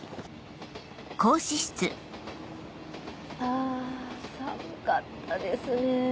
あ寒かったですねぇ。